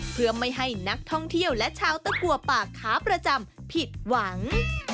เพื่อไม่ให้นักท่องเที่ยวและชาวตะกัวป่าขาประจำผิดหวัง